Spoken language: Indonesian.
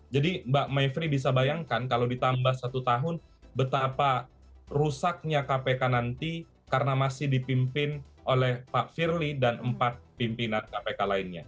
jadi mbak maivri bisa bayangkan kalau ditambah satu tahun betapa rusaknya kpk nanti karena masih dipimpin oleh pak firly dan empat pimpinan kpk lainnya